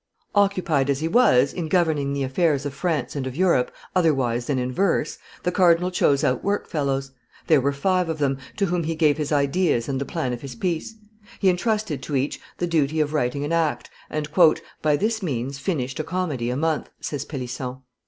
Occupied as he was in governing the affairs of France and of Europe otherwise than in verse, the cardinal chose out work fellows; there were five of them, to whom he gave his ideas and the plan of his piece; he intrusted to each the duty of writing an act, and "by this means finished a comedy a month," says Pellisson.